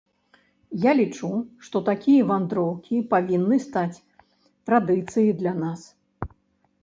Я лічу, што такія вандроўкі павінны стаць традыцыяй для нас.